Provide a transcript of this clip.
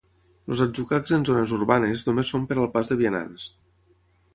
Els atzucacs en zones urbanes només són per al pas de vianants.